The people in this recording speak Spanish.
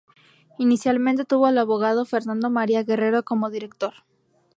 Inicialmente tuvo al abogado Fernando María Guerrero como director.